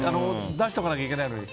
出しておかなきゃいけないのに。